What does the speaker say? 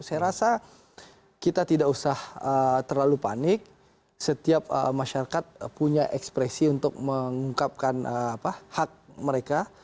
saya rasa kita tidak usah terlalu panik setiap masyarakat punya ekspresi untuk mengungkapkan hak mereka